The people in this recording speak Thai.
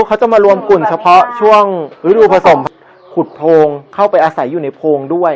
เขาจะมารวมกลุ่มเฉพาะช่วงฤดูผสมขุดโพงเข้าไปอาศัยอยู่ในโพงด้วย